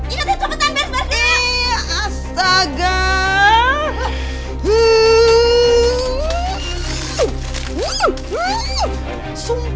ingatin cepetan beres beres